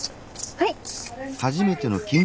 はい！